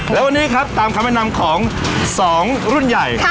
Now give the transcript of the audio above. และวันนี้ครับตามคำแนะนำของ๒รุ่นใหญ่